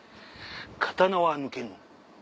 刀は抜けぬ。